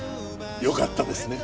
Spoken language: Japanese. よかったですね。